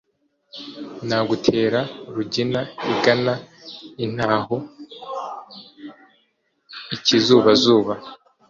Nagutera Rugina igana intaho-Ikizubazuba.